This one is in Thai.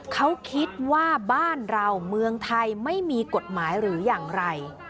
เขาคิดว่าบ้านเราเมืองไทยไม่มีกฎหมายหรืออย่างไร